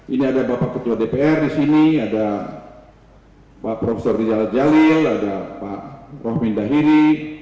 ini ada bapak ketua dpr di sini ada pak prof rijal jalil ada pak rohmin dahiri